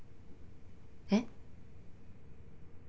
えっ？